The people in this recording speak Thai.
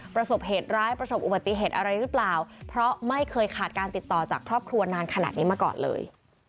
ประสบเหตุร้ายประสบอุบัติเหตุอะไรหรือเปล่าเพราะไม่เคยขาดการติดต่อจากครอบครัวนานขนาดนี้มาก่อนเลย